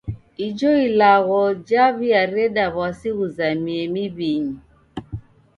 Ijo ilagho jaw'iareda w'asi ghuzamie miw'inyi.